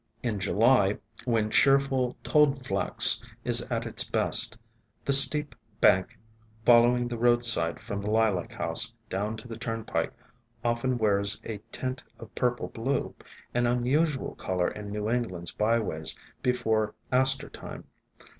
In July, when cheerful Toad Flax is at its best, the steep bank following the roadside from the Lilac House down to the turnpike often wears a tint of purple blue, — an unusual color in New England's byways before Aster time.